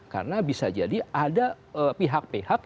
karena bisa jadi ada pihak pihak